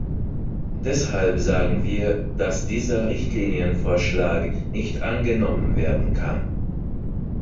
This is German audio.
Deshalb sagen wir, dass dieser Richtlinienvorschlag nicht angenommen werden kann.